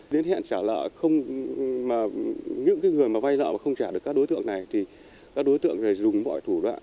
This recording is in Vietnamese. đến hẹn trả lợi những người mà vay lợi mà không trả được các đối tượng này thì các đối tượng này dùng bọi thủ đoạn